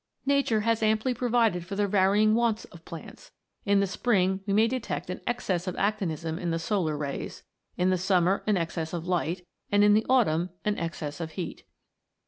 Nature has amply pro vided for the varying wants of plants ; in the spring we may detect an excess of actinism in the solar rays; in the summer an excess of light, and in the autumn an excess of heat.